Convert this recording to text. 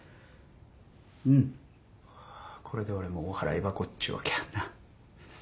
うんこれで俺もお払い箱っちゅうわけやんな。